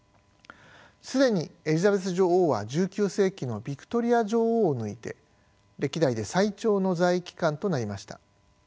既にエリザベス女王は１９世紀のヴィクトリア女王を抜いて歴代で最長の在位期間となりました。